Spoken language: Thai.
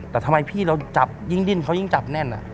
แต่ทำไมพี่เราจับยิ่งดิ้นเขายิ่งจับแน่น